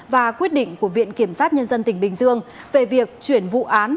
và quyết định của viện kiểm sát nhân dân tỉnh bình dương về việc chuyển vụ án